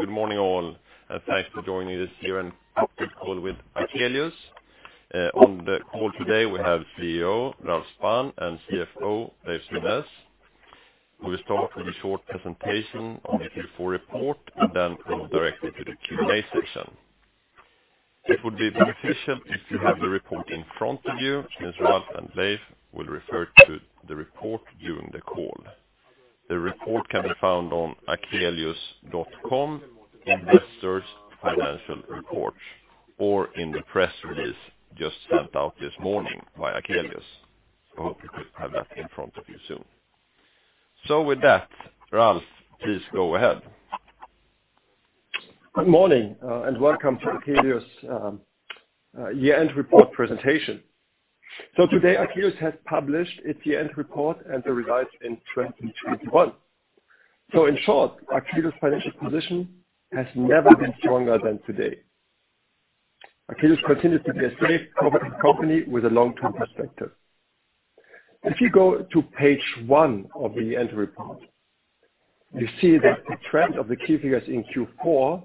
Good morning, all, and thanks for joining this year end update call with Akelius. On the call today we have CEO, Ralf Spann, and CFO, Leiv Synnes. We will start with a short presentation on the Q4 report and then go directly to the Q&A section. It would be beneficial if you have the report in front of you, since Ralf and Leiv will refer to the report during the call. The report can be found on akelius.com, investors, financial reports, or in the press release just sent out this morning by Akelius. I hope you could have that in front of you soon. With that, Ralf, please go ahead. Good morning, and welcome to Akelius' year-end report presentation. Today, Akelius has published its year-end report and the results in 2021. In short, Akelius' financial position has never been stronger than today. Akelius continues to be a safe property company with a long-term perspective. If you go to page one of the year-end report, you see that the trend of the key figures in Q4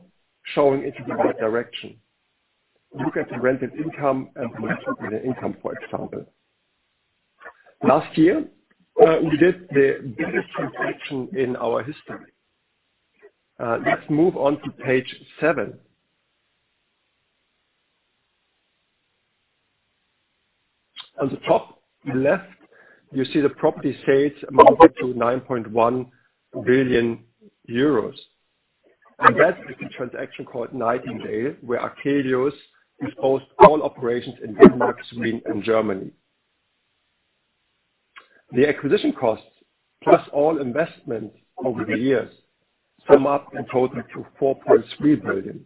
showing in the right direction. Look at the rental income and distributable income, for example. Last year, we did the biggest transaction in our history. Let's move on to page seven. On the top left, you see the property sales amounted to 9.1 billion euros. That is the transaction called Nightingale, where Akelius disposed of all operations in Denmark, Sweden, and Germany. The acquisition costs, plus all investment over the years, sum up in total to 4.3 billion.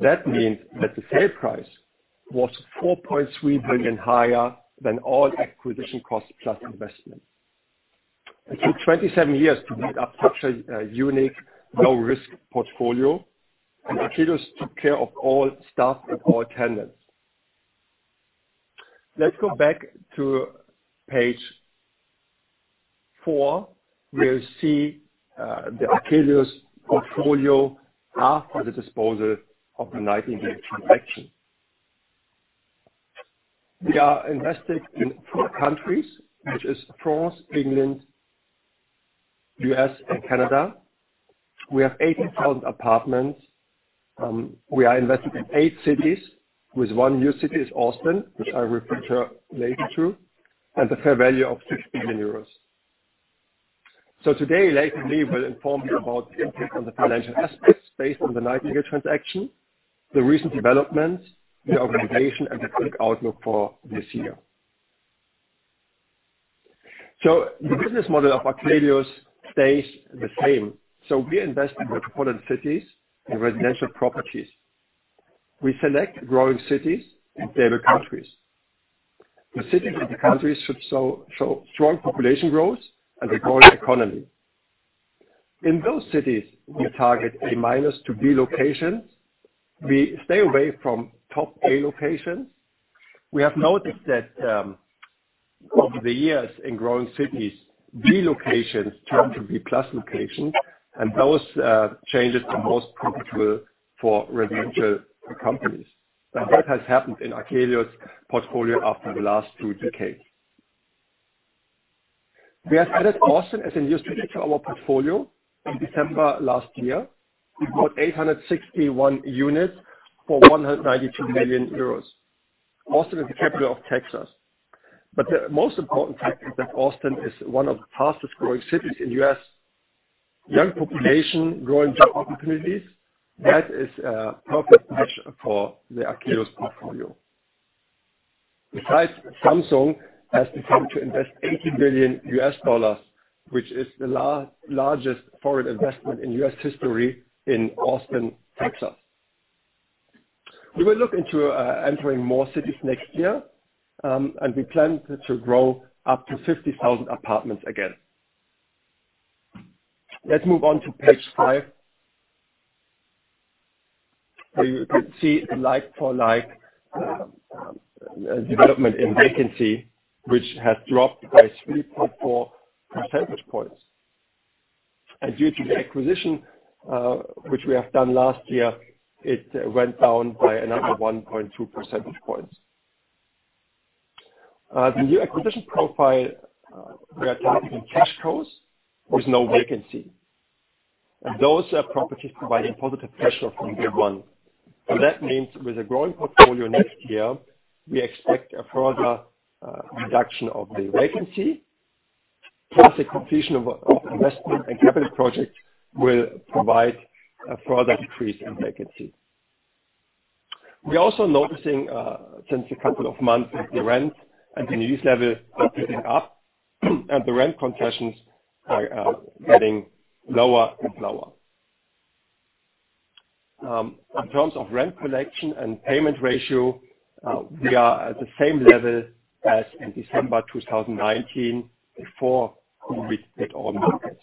That means that the sale price was 4.3 billion higher than all acquisition costs plus investment. It took 27 years to build up such a unique, low risk portfolio, and Akelius took care of all staff and all tenants. Let's go back to page four, where you see the Akelius portfolio after the disposal of the Nightingale transaction. We are invested in four countries, which is France, England, U.S., and Canada. We have 80,000 apartments. We are invested in eight cities, with one new city is Austin, which I will refer later to, and a fair value of 60 billion euros. Today, Leiv and me will inform you about the impact on the financial aspects based on the Nightingale transaction, the recent developments, the organization, and the quick outlook for this year. The business model of Akelius stays the same. We invest in metropolitan cities and residential properties. We select growing cities in favored countries. The cities and the countries should show strong population growth and a growing economy. In those cities, we target A- to B locations. We stay away from top A locations. We have noticed that over the years in growing cities, B locations turn to B+ locations, and those changes are most profitable for residential companies. That has happened in Akelius portfolio after the last two decades. We have added Austin as a new city to our portfolio in December last year. We bought 861 units for 192 million euros. Austin is the capital of Texas. The most important fact is that Austin is one of the fastest growing cities in the U.S. Young population, growing job opportunities, that is a perfect match for the Akelius portfolio. Besides, Samsung has decided to invest $80 billion, which is the largest foreign investment in U.S. history in Austin, Texas. We will look into entering more cities next year, and we plan to grow up to 50,000 apartments again. Let's move on to page five. You can see a like-for-like development in vacancy, which has dropped by 3.4 percentage points. Due to the acquisition, which we have done last year, it went down by another 1.2 percentage points. The new acquisition profile, we are targeting cash costs with no vacancy. Those are properties providing positive cash flow from day one. That means with a growing portfolio next year, we expect a further reduction of the vacancy. A completion of investment and capital projects will provide a further decrease in vacancy. We're also noticing since a couple of months, the rent and the lease level are picking up, and the rent concessions are getting lower and lower. In terms of rent collection and payment ratio, we are at the same level as in December 2019, before COVID hit all markets.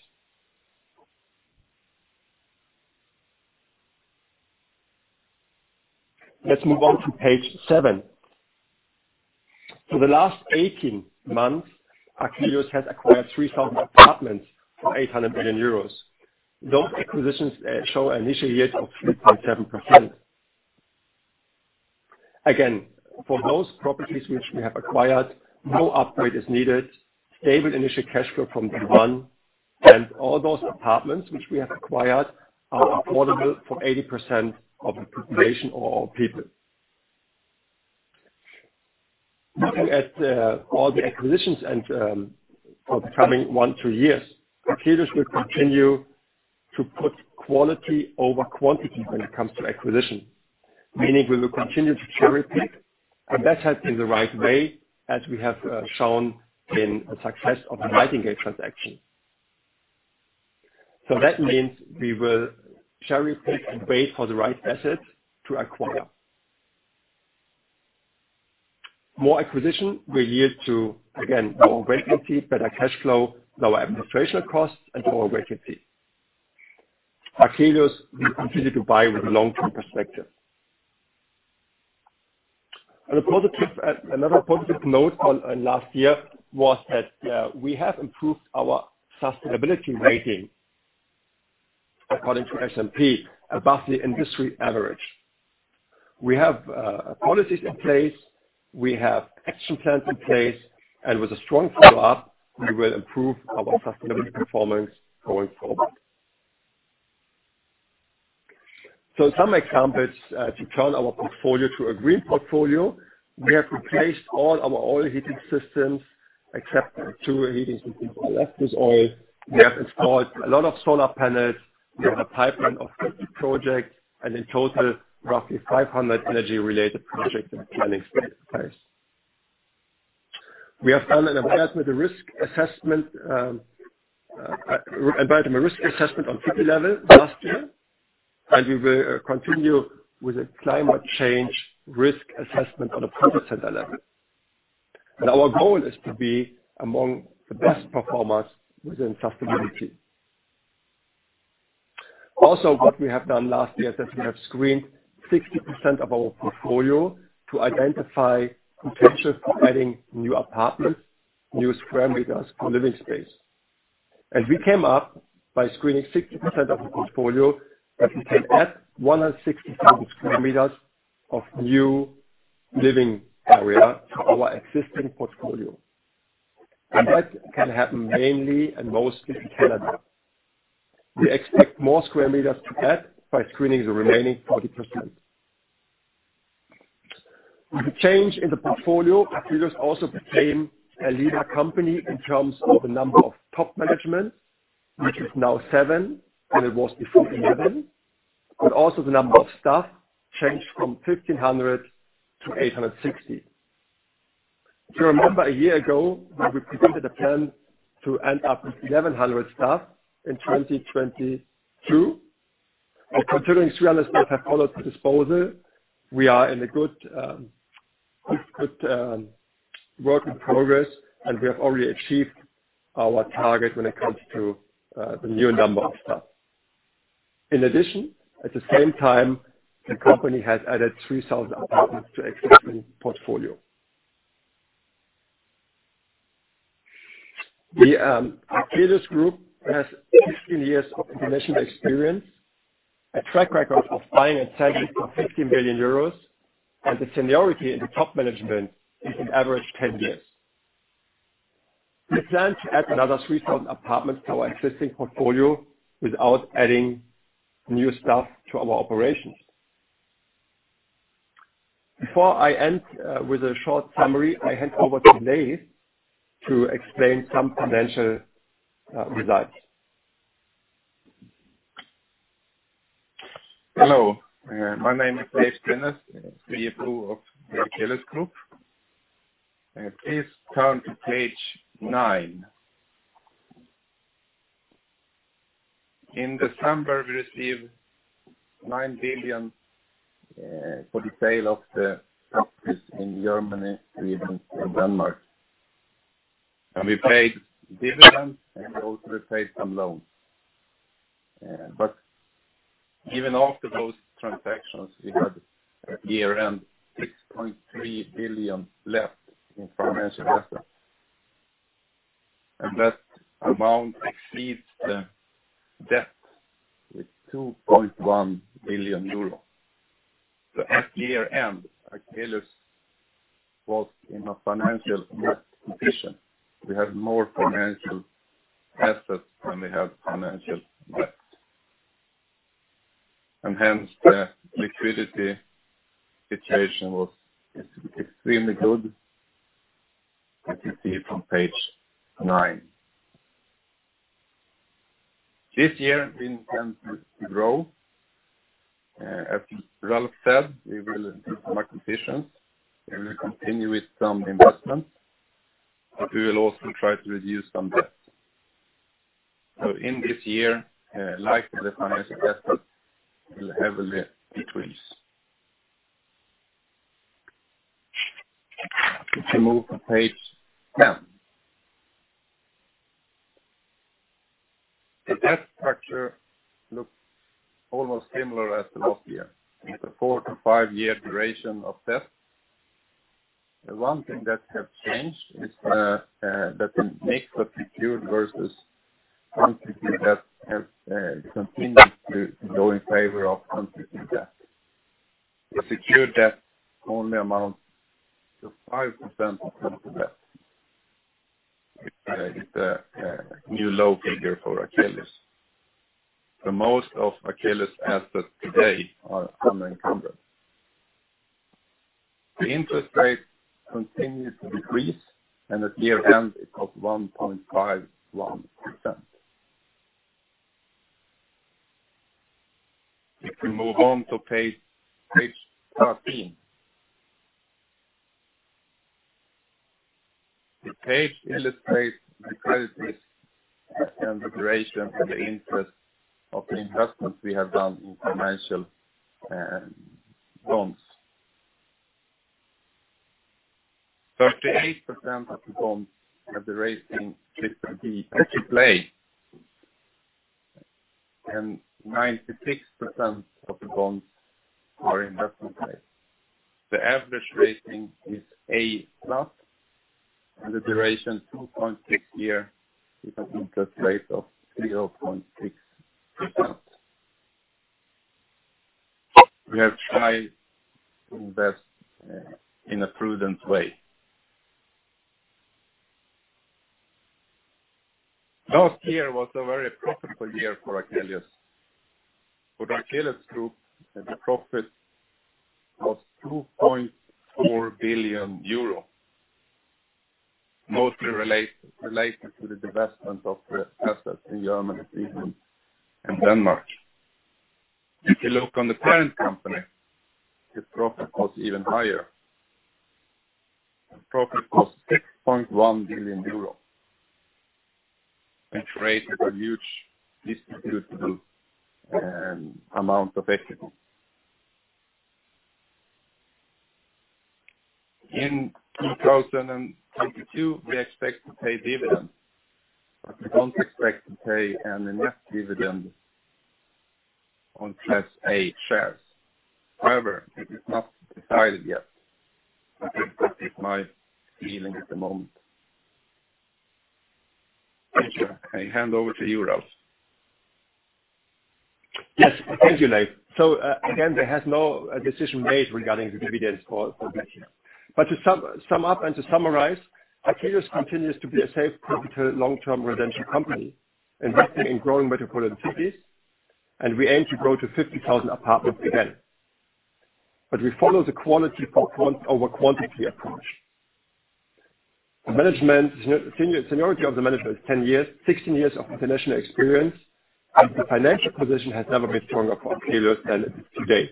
Let's move on to page seven. For the last 18 months, Akelius has acquired 3,000 apartments for 800 million euros. Those acquisitions show an initial yield of 3.7%. Again, for those properties which we have acquired, no upgrade is needed. Stable initial cash flow from day one. All those apartments which we have acquired are affordable for 80% of the population or people. Looking at all the acquisitions and for the coming one, two years, Akelius will continue to put quality over quantity when it comes to acquisition. Meaning we will continue to cherry-pick, and that's in the right way, as we have shown in the success of the Nightingale transaction. That means we will cherry-pick and wait for the right assets to acquire. More acquisition will yield to, again, lower vacancy, better cash flow, lower administration costs, and lower vacancy. Akelius will continue to buy with a long-term perspective. Another positive note on last year was that we have improved our sustainability rating according to S&P above the industry average. We have policies in place, we have action plans in place, and with a strong follow-up, we will improve our sustainability performance going forward. Some examples to turn our portfolio to a green portfolio, we have replaced all our oil heating systems except two heating systems are left with oil. We have installed a lot of solar panels. We have a pipeline of 50 projects, and in total, roughly 500 energy-related projects in planning phase. We have done an environmental risk assessment on city level last year, and we will continue with a climate change risk assessment on a property level. Our goal is to be among the best performers within sustainability. Also, what we have done last year is that we have screened 60% of our portfolio to identify potential for adding new apartments, new square meters for living space. We came up by screening 60% of the portfolio, that we can add 160,000 sq m of new living area to our existing portfolio. That can happen mainly and mostly in Canada. We expect more square meters to add by screening the remaining 40%. With the change in the portfolio, Akelius also became a leader company in terms of the number of top management, which is now seven, and it was before eleven. The number of staff changed from 1,500 to 860. If you remember, a year ago, we presented a plan to end up with 1,100 staff in 2022. Considering 300 staff have followed to disposal, we are in a good work in progress, and we have already achieved our target when it comes to the new number of staff. In addition, at the same time, the company has added 3,000 apartments to existing portfolio. The Akelius Group has 15 years of international experience, a track record of buying and selling for 15 billion euros, and the seniority in the top management is an average 10 years. We plan to add another 3,000 apartments to our existing portfolio without adding new staff to our operations. Before I end with a short summary, I hand over to Leiv to explain some financial results. Hello. My name is Leiv Synnes, CFO of the Akelius Group. Please turn to page nine. In December, we received 9 billion for the sale of the properties in Germany, Sweden, and Denmark. We paid dividends, and we also paid some loans. But even after those transactions, we had year-end 6.3 billion left in financial assets. That amount exceeds the debt with 2.1 billion euro. At year-end, Akelius was in a financial net position. We had more financial assets than we had financial debt. Hence, the liquidity situation was extremely good, as you see it on page nine. This year, we intend to grow. As Ralf said, we will do some acquisitions and we'll continue with some investments, but we will also try to reduce some debt. In this year, likely the financial assets will heavily decrease. If you move to page 10. The debt structure looks almost similar as the last year. It's a four to five-year duration of debt. The one thing that has changed is that the mix of secured versus unsecured debt has continued to go in favor of unsecured debt. The secured debt only amounts to 5% of total debt. It's a new low figure for Akelius. The most of Akelius assets today are unencumbered. The interest rate continues to decrease, and at year end it was 1.51%. If we move on to page 13. The page illustrates the credit risk and the duration for the interest of the investments we have done in financial loans. 38% of the bonds have the rating BBB. Actually, 96% of the bonds are investment grade. The average rating is A+, and the duration 2.6 years with an interest rate of 0.6%. We have tried to invest in a prudent way. Last year was a very profitable year for Akelius. For the Akelius Group, the profit was EUR 2.4 billion, mostly related to the divestment of real assets in Germany, Sweden, and Denmark. If you look on the parent company, the profit was even higher. The profit was EUR 6.1 billion, which created a huge distributable amount of equity. In 2022, we expect to pay dividend, but we don't expect to pay an advanced dividend on Class A shares. However, it is not decided yet. I think that is my feeling at the moment. Thank you. I hand over to you, Ralf. Yes. Thank you, Leiv. There has been no decision made regarding the dividends for next year. To sum up and to summarize, Akelius continues to be a safe, profitable, long-term residential company, investing in growing metropolitan cities. We aim to grow to 50,000 apartments again. We follow the quality over quantity approach. The seniority of the management is 10 years, 16 years of international experience, and the financial position has never been stronger for Akelius than it is today.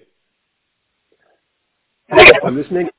Thank you for listening.